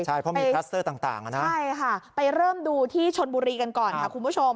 ใช่เพราะมีคลัสเตอร์ต่างนะใช่ค่ะไปเริ่มดูที่ชนบุรีกันก่อนค่ะคุณผู้ชม